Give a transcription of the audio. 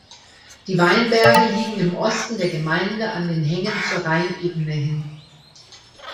Die Weinberge liegen im Osten der Gemeinde an den Hängen zur Rheinebene hin.